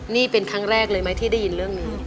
นี่เป็นครั้งแรกเลยไหมที่ได้ยินเรื่องนี้